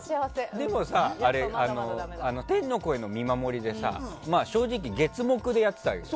でも、天の声の見守り月木でやってたでしょ。